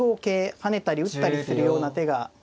跳ねたり打ったりするような手が。